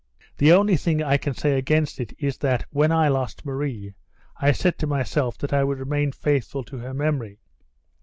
The only thing I can say against it is that, when I lost Marie, I said to myself that I would remain faithful to her memory.